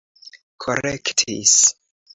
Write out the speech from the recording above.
korektis